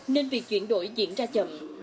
nên việc chuyển đổi diễn ra chậm